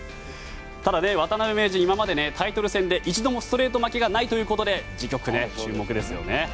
ただ、渡辺名人は今までタイトル戦で一度もストレート負けがないということでないということで次局、注目ですね。